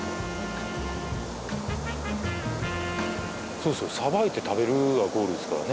そうそう捌いて食べるがゴールですからね